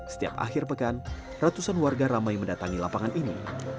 setiap akhir pekan ratusan warga ramai mendatangi lapangan ini